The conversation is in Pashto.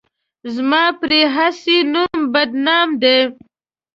زما پرې هسې نوم بدنام دی.